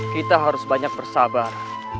kita harus banyak bersabar